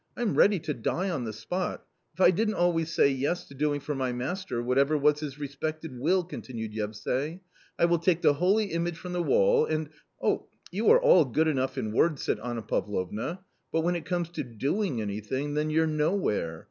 " I'm ready to die on the spot — if I didn't always say yes to doing for my master whatever was his respected will !" continued Yevsay ;" I will take the holy image from the wall and "" You are all good enough in words !" said Anna Pav lovna, " but when it comes to doing anything, then you're nowhere